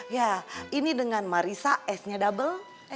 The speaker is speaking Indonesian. ya ini dengan marissa s nya double